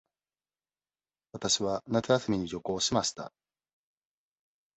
わたしは夏休みに旅行しました。